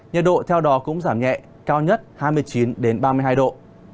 nhiệt độ theo đó cũng giảm nhẹ cao nhất hai mươi chín ba mươi hai độ